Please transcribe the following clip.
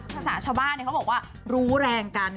ภาษาชาวบ้านเขาบอกว่ารู้แรงกัน